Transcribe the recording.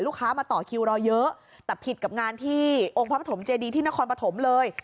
มาต่อคิวรอเยอะแต่ผิดกับงานที่องค์พระปฐมเจดีที่นครปฐมเลย